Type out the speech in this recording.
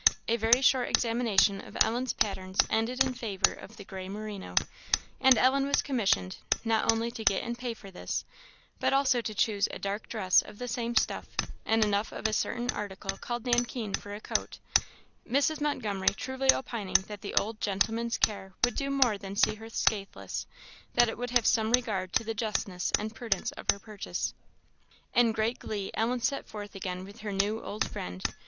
A very short examination of Ellen's patterns ended in favour of the gray merino; and Ellen was commissioned, not only to get and pay for this, but also to choose a dark dress of the same stuff, and enough of a certain article called nankeen for a coat; Mrs. Montgomery truly opining that the old gentleman's care would do more than see her scathless that it would have some regard to the justness and prudence of her purchases. In great glee Ellen set forth again with her new old friend.